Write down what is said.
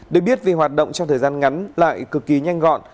để biết về hoạt động trong thời gian ngắn lại cực kỳ nhanh gọn